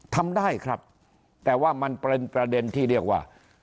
ทำได้ครับแต่ว่ามันเป็นประเด็นที่เรียกว่า